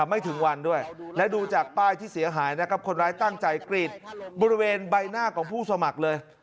ไม่ถึงวันด้วยและดูจากป้ายที่เสียหายนะครับคนร้ายตั้งใจกรีดบริเวณใบหน้าของผู้สมัครเลย